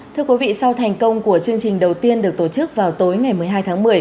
thưa quý vị sau thành công của chương trình đầu tiên được tổ chức vào tối ngày một mươi hai tháng một mươi